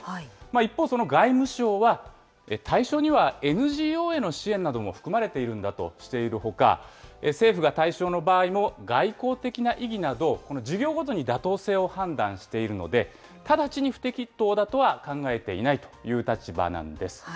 一方、その外務省は、対象にはＮＧＯへの支援なども含まれているんだとしているほか、政府が対象の場合も外交的な意義など、事業ごとに妥当性を判断しているので、直ちに不適当だとは考えていないという立場なんです。